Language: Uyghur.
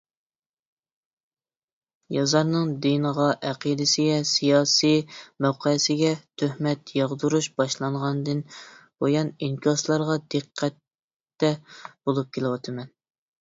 يازارنىڭ دىنىغا، ئەقىدىسىگە، سىياسىي مەۋقەسىگە تۆھمەت ياغدۇرۇش باشلانغاندىن بۇيان ئىنكاسلارغا دىققەتتە بولۇپ كېلىۋاتىمەن.